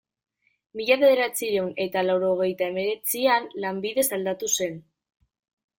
Mila bederatziehun eta laurogeita hemeretzian, lanbidez aldatu zen.